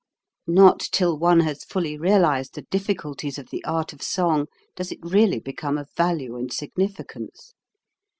Not till one has fully realized the difficulties of the art of song does it really become of value and singificance.